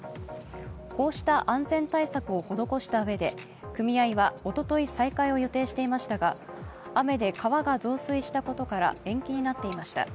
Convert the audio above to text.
こうした安全対策を施したうえで組合はおととい再開を予定していましたが雨で川が増水したことから延期になっていました。